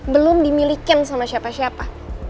belum dimiliki sama siapa siapa